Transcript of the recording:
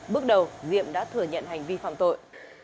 bước đầu diệm đã thừa nhận hành vi phạm tội